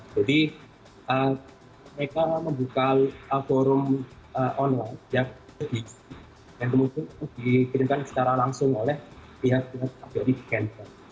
jadi mereka membuka forum online yang sedisi dan kemudian itu dikirimkan secara langsung oleh pihak pihak kabur di canberra